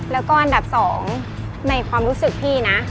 แล้วก็อันดับ๒ในความรู้สึกพี่นะ